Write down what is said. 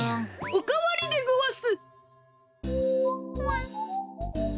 おかわりでごわす！